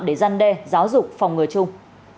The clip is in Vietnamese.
để gian đe giáo dục phòng ngừa chung